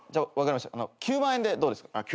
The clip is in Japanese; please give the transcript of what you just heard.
分かりました９万円でどうですか？